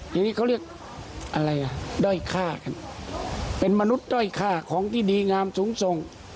ทีนี้เขาเรียกอะไรอ่ะด้อยฆ่ากันเป็นมนุษย์ด้อยค่าของที่ดีงามสูงส่ง